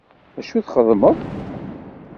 Acu txeddmeḍ!